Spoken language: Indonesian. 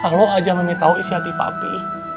kalau saja kami tahu isi hati papi